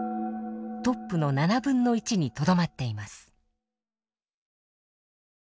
トップの７分の１にとどまっています。